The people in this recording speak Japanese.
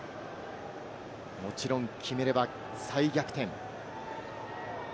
もちろん決めれば再逆転。